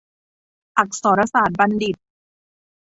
อักษรศาสตรบัณฑิต